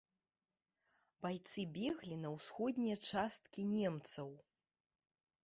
Байцы беглі на ўсходнія часткі немцаў.